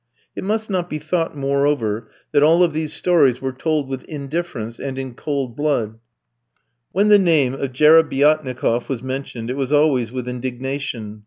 It must not be thought, moreover, that all of these stories were told with indifference and in cold blood. When the name of Jerebiatnikof was mentioned, it was always with indignation.